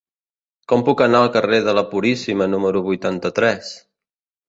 Com puc anar al carrer de la Puríssima número vuitanta-tres?